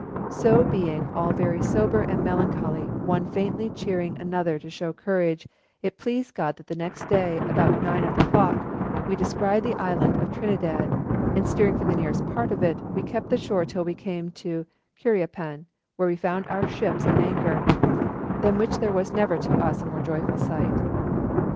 'So being all very sober and melancholy, one faintly cheering another to show courage, it pleased God that the next day, about nine of the clock, we descried the island of Trinidad, and steering for the nearest part of it, we kept the shore till we came to Curiapan, where we found our ships at anchor, than which there was never to us a more joyful sight.'